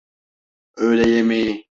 Öğle yemeği?